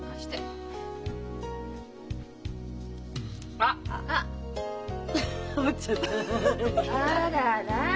あらら。